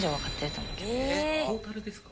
トータルですか？